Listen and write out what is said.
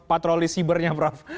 patroli sibernya prof